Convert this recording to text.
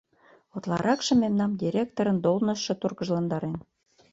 Утларакше мемнам директорын должностьшо тургыжландарен.